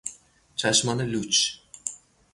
چشمان لوچ